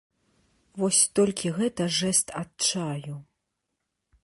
Вось толькі гэта жэст адчаю.